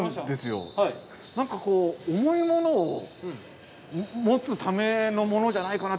何かこう重いものを持つためのものじゃないかなと。